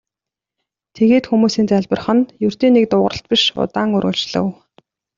Тэгээд хүмүүсийн залбирах нь ердийн нэг дуугаралт биш удаан үргэлжлэв.